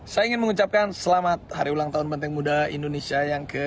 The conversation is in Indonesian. saya ingin mengucapkan selamat hari ulang tahun banteng muda indonesia yang ke tujuh puluh